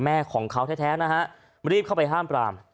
แม่ของเขาแท้นะฮะรีบเข้าไปห้ามปราม